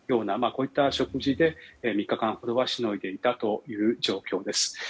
こういった食事で３日間しのいでいた状況です。